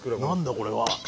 これは。